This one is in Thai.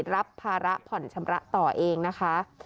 รับภาระผ่อนชำระต่อเองนะคะ